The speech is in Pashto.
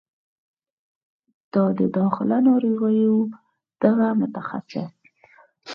د داخله ناروغیو دغه متخصص